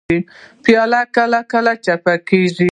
پیاله کله کله چپه کېږي.